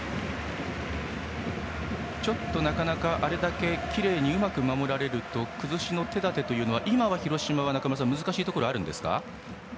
ちょっとなかなか、あれだけきれいにうまく守られると崩しの手立てというのは今は広島は中村さん、難しいところがあるんですか。